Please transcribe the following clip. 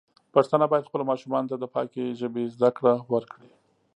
پښتانه بايد خپلو ماشومانو ته د پاکې ژبې زده کړه ورکړي.